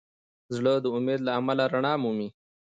زړه د امید له امله رڼا مومي.